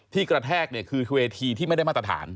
ที่กระแทกเนี่ยคือเวทีที่ไม่ได้มาตรฐาน